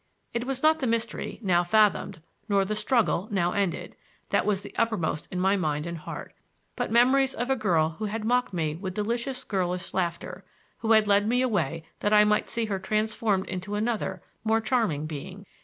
It was not the mystery, now fathomed, nor the struggle, now ended, that was uppermost in my mind and heart, but memories of a girl who had mocked me with delicious girlish laughter,— who had led me away that I might see her transformed into another, more charming, being.